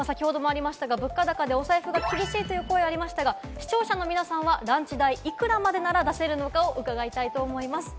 物価高でお財布が苦しいという声がありましたが、視聴者の皆さんはランチ代、いくらまでなら出せるのかを伺いたいと思います。